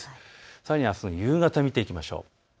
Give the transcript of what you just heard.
さらにあすの夕方を見ていきましょう。